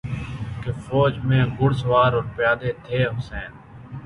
کی فوج میں گھرسوار اور پیادے تھے حسین